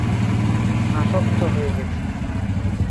আসক্ত হয়ে গেছি।